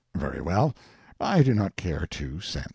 Very well, I do not care two cents.